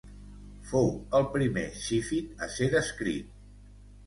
Fou el primer zífid a ser descrit.